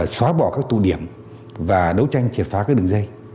xóa bỏ các tù điểm và đấu tranh triệt phá các đường dây